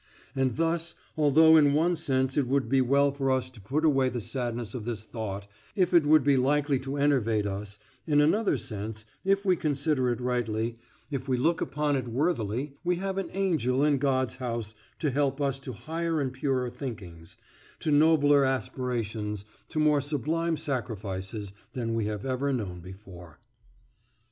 And thus, although in one sense it would be well for us to put away the sadness of this thought if it would be likely to enervate us, in another sense, if we consider it rightly, if we look upon it worthily, we have an angel in God's house to help us to higher and purer thinkings, to nobler aspirations, to more sublime sacrifices than we have ever known before.